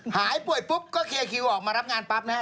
หายป่วยปุ๊บก็เคลียร์คิวออกมารับงานปั๊บนะฮะ